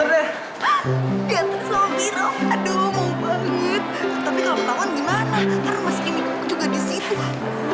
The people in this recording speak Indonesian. tapi kalau pertahuan gimana karena masih ini juga di situ